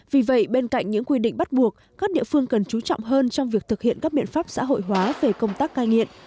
vì vậy bên cạnh những quy định bắt buộc các địa phương cần chú trọng hơn trong việc thực hiện các biện pháp xã hội hóa về công tác cai nghiện